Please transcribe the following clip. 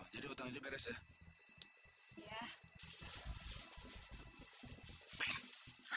jadi utangnya beres ya ya